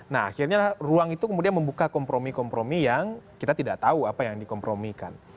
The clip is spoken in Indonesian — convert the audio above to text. nah akhirnya ruang itu kemudian membuka kompromi kompromi yang kita tidak tahu apa yang dikompromikan